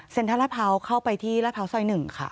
เซนทรัสพร้าวเข้าไปที่ราดพร้าวสอยหนึ่งค่ะ